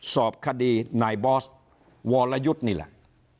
สอบคดีนายบอสวรยุทธ์นี่แหละ